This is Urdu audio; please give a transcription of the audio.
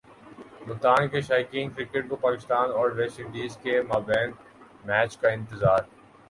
ملتان کے شائقین کرکٹ کو پاکستان اور ویسٹ انڈیز کے مابین میچ کا انتظار